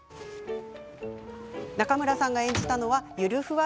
中村さんが演じたのはゆるふわ